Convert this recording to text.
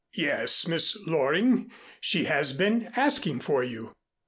"Yes, Miss Loring. She has been asking for you."